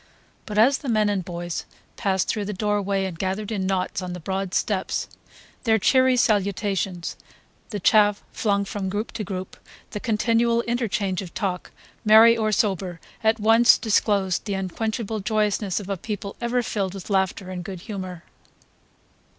But as the men and boys passed through the doorway and gathered in knots on the broad steps, their cheery salutations, the chaff flung from group to group, the continual interchange of talk, merry or sober, at once disclosed the unquenchable joyousness of a people ever filled with laughter and good humour.